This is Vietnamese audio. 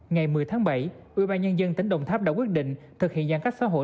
ngày một mươi tháng bảy ubnd tỉnh đồng tháp đã quyết định thực hiện giãn cách xã hội